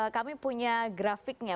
kami punya grafiknya